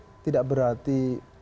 itu tidak berarti